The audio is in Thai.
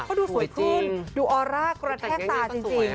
เพราะดูสวยพึ่งดูออลลาร์กระแทกตาจริง